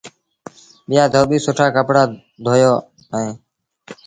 ٻيٚآ دوٻيٚ سُٺآ ڪپڙآ ڌويو ائيٚݩ۔